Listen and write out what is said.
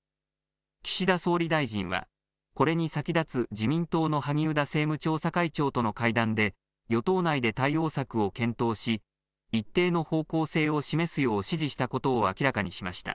自民党の萩生田政務調査会長との会談で、与党内で対応策を検討し、一定の方向性を示すよう指示したことを明らかにしました。